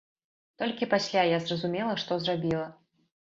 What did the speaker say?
Толькі пасля я зразумела, што зрабіла.